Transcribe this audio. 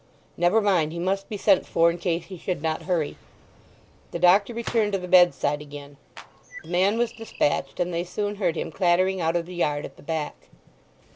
"Never mind, he must be sent for, in case he should not hurry." The doctor returned to the bedside again. The man was despatched, and they soon heard him clattering out of the yard at the back.